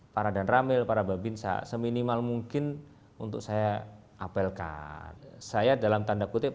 para dan ramele para babinsa seminimal mungkin untuk saya apel karsaya dalam tanda kutip